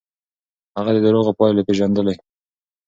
هغه د دروغو پايلې پېژندلې.